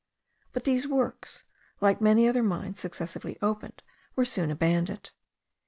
But these works, like many other mines successively opened, were soon abandoned.